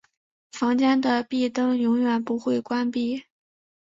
房间的壁灯永远不会关闭。